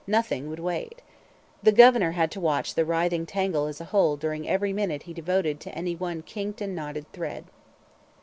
Nothing would wait. The governor had to watch the writhing tangle as a whole during every minute he devoted to any one kinked and knotted thread.